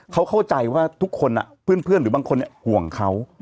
เขาเข้าใจว่าทุกคนเพื่อนหรือบางคนห่วงเขา